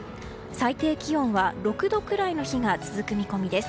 最低気温は６度くらいの日が続く見込みです。